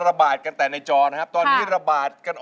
ร้องได้ให้ล้าน